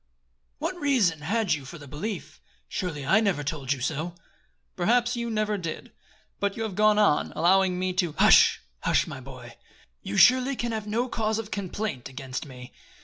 "What reason had you for the belief? Surely I never told you so." "Perhaps you never did; but you have gone on, allowing me to " "Hush! Hush, my boy. You surely can have no cause of complaint against me.